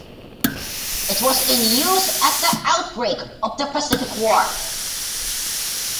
It was in use at the outbreak of the Pacific War.